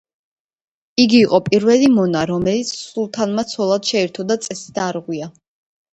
იგი იყო პირველი მონა, რომელიც სულთანმა ცოლად შეირთო და წესი დაარღვია.